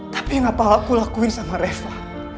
tapi yang apa aku lakuin sama reva